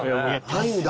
ないんだ。